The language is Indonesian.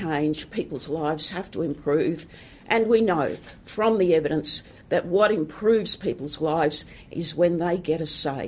dan kita tahu dari bukti bahwa apa yang memperbaiki hidup orang adalah ketika mereka mendapatkan hasil